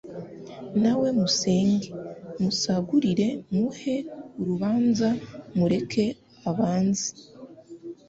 Na we musenge musagurire Muhe urubanza mureke abanze